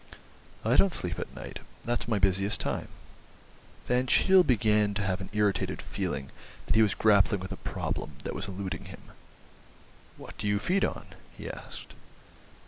"I don't sleep at night; that's my busiest time." Van Cheele began to have an irritated feeling that he was grappling with a problem that was eluding him. "What do you feed on?" he asked.